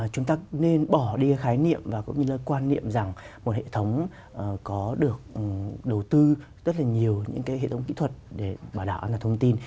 chúng ta nên bỏ đi khái niệm và cũng như là quan niệm rằng một hệ thống có được đầu tư rất là nhiều những cái hệ thống kỹ thuật để bảo đảm an toàn thông tin